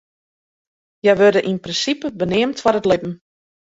Hja wurde yn prinsipe beneamd foar it libben.